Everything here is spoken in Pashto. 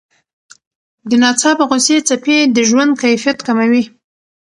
د ناڅاپه غوسې څپې د ژوند کیفیت کموي.